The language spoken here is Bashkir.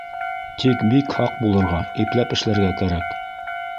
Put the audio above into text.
Тик бик һаҡ булырға, ипләп эшләргә кәрәк.